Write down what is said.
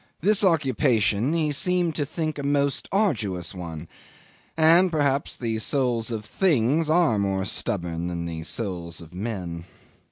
This occupation he seemed to think a most arduous one, and perhaps the souls of things are more stubborn than the souls of men.